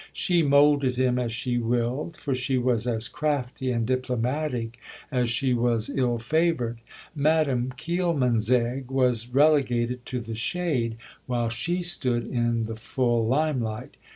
She moulded him as she willed, for she was as crafty and diplomatic as she was ill favoured. Madame Kielmansegg was relegated to the shade, while she stood in the full limelight.